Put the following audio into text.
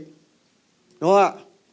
đúng không ạ